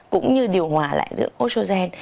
cũng như điều hòa lại lượng oxygen